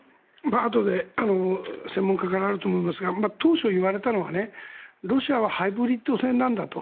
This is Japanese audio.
あとで専門家からあると思いますが当初、言われたのがロシアはハイブリッド戦なんだと。